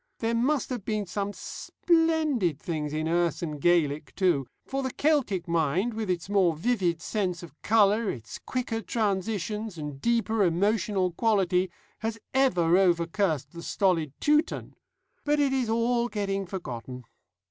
There must have been some splendid things in Erse and Gaelic too; for the Celtic mind, with its more vivid sense of colour, its quicker transitions, and deeper emotional quality, has ever over cursed the stolid Teuton. But it is all getting forgotten.